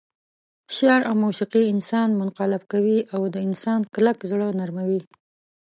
شعر او موسيقي انسان منقلب کوي او د انسان کلک زړه نرموي.